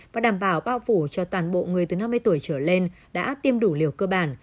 và đảm bảo bao phủ cho toàn bộ người từ năm mươi tuổi trở lên đã tiêm đủ liều cơ bản